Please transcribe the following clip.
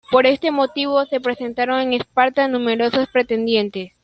Por este motivo se presentaron en Esparta numerosos pretendientes.